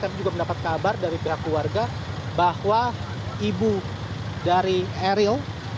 kami juga mendapat kabar dari pihak keluarga bahwa ibu dari eril